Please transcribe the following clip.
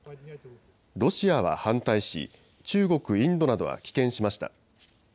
ロシアは反対し中国、インドなどは棄権しました。